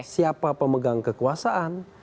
siapa pemegang kekuasaan